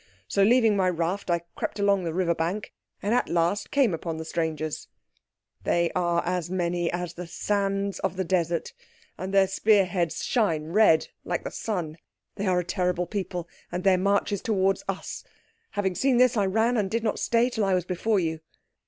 So, leaving my raft, I crept along the river bank, and at last came upon the strangers. They are many as the sands of the desert, and their spear heads shine red like the sun. They are a terrible people, and their march is towards us. Having seen this, I ran, and did not stay till I was before you."